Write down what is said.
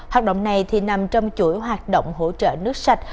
hoạt động này nằm trong chuỗi hoạt động hỗ trợ nước sạch